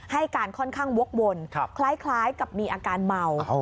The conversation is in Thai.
ให้การค่อนข้างวกวนคล้ายกับมีอาการเมา